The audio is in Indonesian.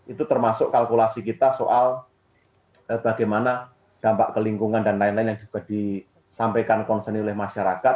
itu termasuk kalkulasi kita soal bagaimana dampak kelingkungan dan lain lain yang juga disampaikan concerni oleh masyarakat